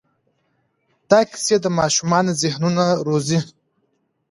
دا کیسې د ماشومانو ذهنونه روزي.